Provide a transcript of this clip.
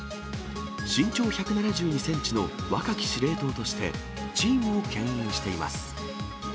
身長１７２センチの若き司令塔として、チームをけん引しています。